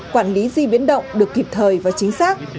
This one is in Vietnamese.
quản lý di biến động được kịp thời và chính xác